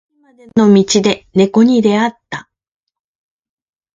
駅までの道で猫に出会った。